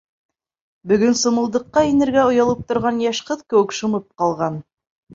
Бөгөн сымылдыҡҡа инергә оялып торған йәш ҡыҙ кеүек шымып ҡалған.